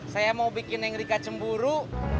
saya mau bikin yang rikacemburu